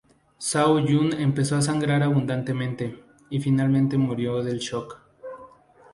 Zhao Yun empezó a sangrar abundantemente y finalmente murió del shock.